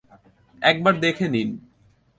একবার দেখে নিন।